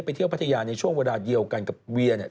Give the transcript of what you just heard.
ได้ไปเที่ยวพัทยาในช่วงวันดาวเดียวกันกับเวียเนี่ย